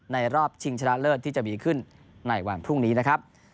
รอบชิงชนะเลิศที่จะมีขึ้นในวันพรุ่งนี้นะครับ